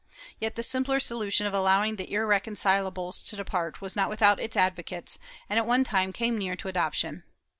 ^ Yet the simpler solution of allowing the irreconcilables to depart was not without its advocates, and at one time came near to adoption.